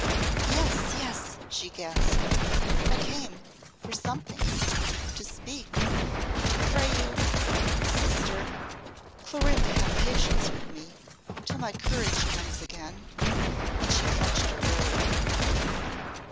"Yes, yes," she gasped, "I came for something to speak to pray you ! Sister Clorinda, have patience with me till my courage comes again!" and she clutched her robe.